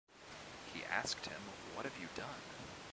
He asked him What have you done?